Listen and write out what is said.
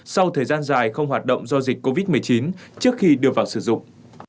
sau thời gian dài không hoạt động do dịch covid một mươi chín trước khi đưa vào sử dụng